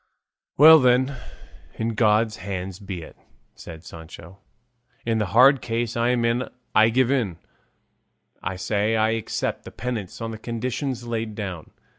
"Well then, in God's hands be it," said Sancho; "in the hard case I'm in I give in; I say I accept the penance on the conditions laid down."